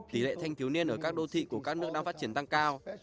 tỷ lệ thanh thiếu niên ở các đô thị của các nước đang phát triển tăng cao